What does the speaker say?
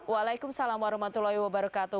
waalaikumsalam warahmatullahi wabarakatuh